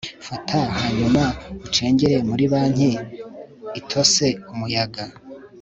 Fata hanyuma ucengere muri banki itose Umuyaga